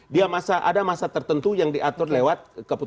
dia ada masa tertentu yang diatur lewat keputusan